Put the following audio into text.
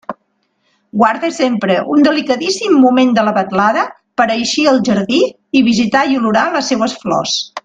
Guarde sempre un delicadíssim moment de la vetlada per a eixir al jardí i visitar i olorar les seues flors.